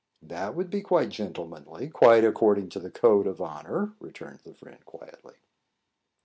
"That would be quite gentlemanly, quite according to the code of honour," returned the friend, quietly.